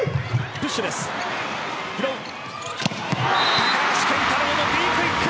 高橋健太郎のＢクイック。